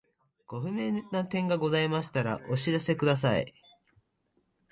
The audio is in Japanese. ご不明な点がございましたらお知らせください。